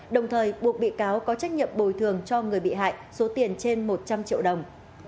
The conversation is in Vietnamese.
đồng thời buộc bị cáo có trách nhiệm bồi thường cho người bị hại số tiền trên một trăm linh triệu đồng